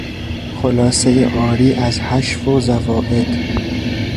خلاصهی عاری از حشو و زوائد